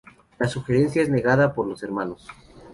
La sugerencia es negada por los hermanos.